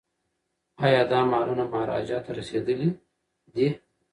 ایا دا مالونه مهاراجا ته رسیدلي دي؟